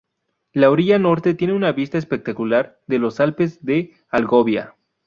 La orilla norte tiene una vista espectacular de los Alpes de Algovia.